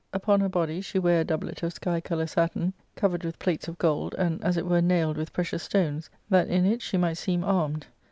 Upon her body she ware a doublet of sky colour satin, covered with plates of gold, and, as it were, nailed with precious stones, that in it she might seem armed.